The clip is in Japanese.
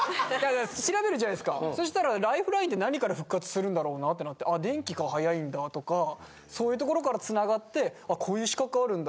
だから調べるじゃないですかそしたらライフラインって何から復活するんだろうなってなって電気が早いんだとかそういう所から繋がってこういう資格あるんだ。